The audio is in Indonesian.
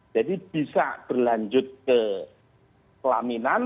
jadi bisa berlanjut ke kelaminan